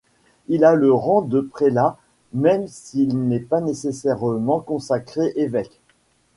Il a le rang de prélat, même s'il n'est pas nécessairement consacré évêque.